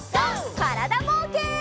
からだぼうけん。